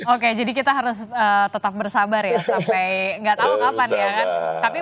oke jadi kita harus tetap bersabar ya sampai nggak tahu kapan ya kan